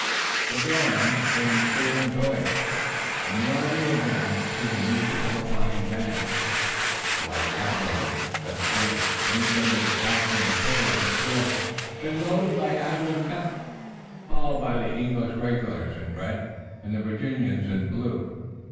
The dawn came clear and brilliant, and the army advanced, to the music of a fine band. The light cavalry led the way, then came a detachment of sailors who had been loaned by Admiral Keppel, followed by the English regulars in red and the Virginians in blue.